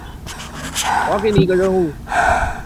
我要給你一個任務